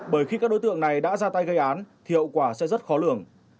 bởi khi các đối tượng này đã ra tay gây án thì hậu quả sẽ rất khó lường